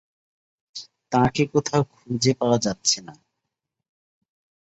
তাঁকে কোথাও খুঁজে পাওয়া যাচ্ছে না।